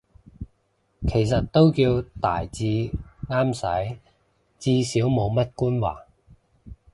其實都叫大致啱使，至少冇乜官話